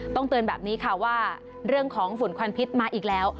เตือนแบบนี้ค่ะว่าเรื่องของฝุ่นควันพิษมาอีกแล้ว